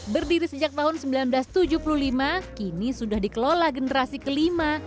berdiri sejak tahun seribu sembilan ratus tujuh puluh lima kini sudah dikelola generasi kelima